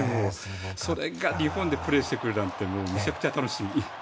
それが日本でプレーしてくれるなんてめちゃくちゃ楽しみ。